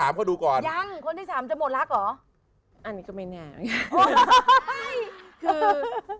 อันนี้ก็แม่แนน